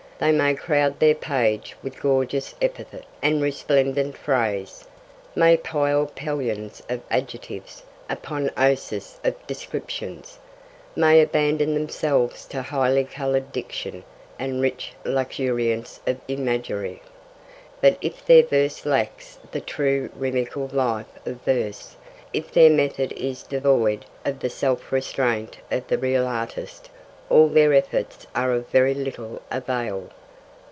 They may crowd their page with gorgeous epithet and resplendent phrase, may pile Pelions of adjectives upon Ossas of descriptions, may abandon themselves to highly coloured diction and rich luxuriance of imagery, but if their verse lacks the true rhythmical life of verse, if their method is devoid of the self restraint of the real artist, all their efforts are of very little avail.